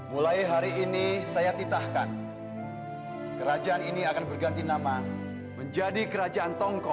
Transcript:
mulai hari ini saya titahkan kerajaan ini akan berganti nama menjadi kerajaan tongko